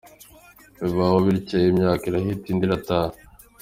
Biba aho bityo, imyaka irahita indi irataha.